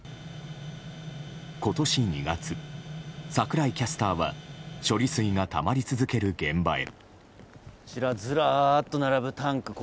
今年２月、櫻井キャスターは処理水がたまり続ける現場へ。